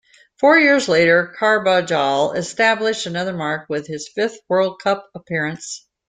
Four years later Carbajal established another mark with his fifth World Cup appearance.